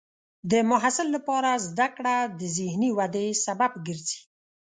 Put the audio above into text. د محصل لپاره زده کړه د ذهني ودې سبب ګرځي.